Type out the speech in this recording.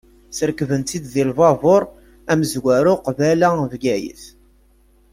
Srekben-t-id deg lbabur amezwaru qbala Bgayet.